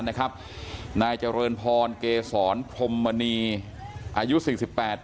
นายเจริญพรเกษรพรมมณีอายุสี่สิบแปด